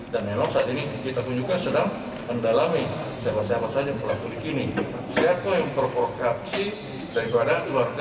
dari keluarga dan keluarga